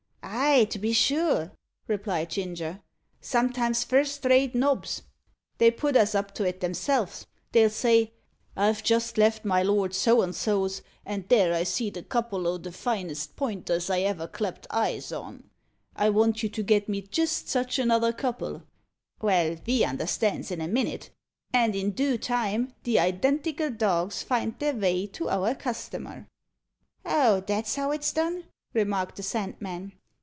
"Ay, to be sure," replied Ginger; "sometimes first rate nobs. They put us up to it themselves; they'll say, 'I've jist left my Lord So and So's, and there I seed a couple o' the finest pointers I ever clapped eyes on. I vant you to get me jist sich another couple.' Vell, ve understands in a minnit, an' in doo time the identicle dogs finds their vay to our customer." "Oh! that's how it's done?" remarked the Sandman.